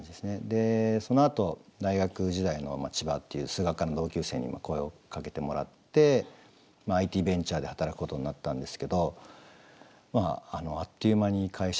でそのあと大学時代の千葉っていう数学科の同級生に声をかけてもらってＩＴベンチャーで働くことになったんですけどあっという間に会社の経営が悪化してですね